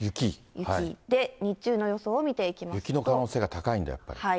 雪の可能性が高いんだ、やっぱり。